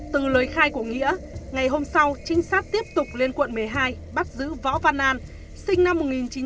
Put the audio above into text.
từ lời khai của nghĩa ngày hôm sau trinh sát tiếp tục lên quận một mươi hai bắt giữ võ văn an sinh năm một nghìn chín trăm tám mươi